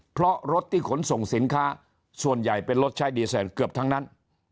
เพราะรถที่ขนส่งสินค้าส่วนใหญ่เป็นรถใช้ดีเซนเกือบทั้งนั้น